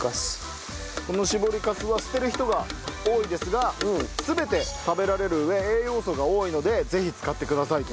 この搾りかすは捨てる人が多いですが全て食べられる上栄養素が多いのでぜひ使ってくださいと。